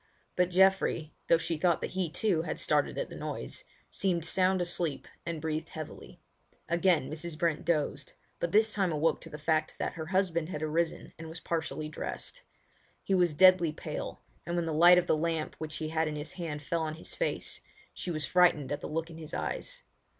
But Geoffrey—though she thought that he, too, had started at the noise—seemed sound asleep, and breathed heavily. Again Mrs. Brent dozed; but this time awoke to the fact that her husband had arisen and was partially dressed. He was deadly pale, and when the light of the lamp which he had in his hand fell on his face, she was frightened at the look in his eyes.